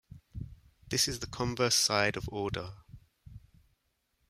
This is the converse side of order.